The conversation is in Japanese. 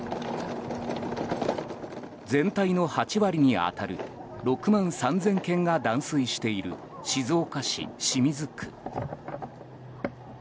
全体の８割に当たる６万３０００軒が断水している静岡市清水区。